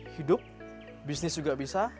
hidup bisnis juga bisa